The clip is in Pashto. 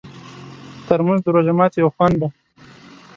ترموز د روژه ماتي یو خوند دی.